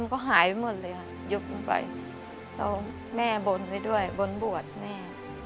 ก็หายไปหมดเลยค่ะยกลงไปแล้วแม่บนไว้ด้วยบนบวชแม่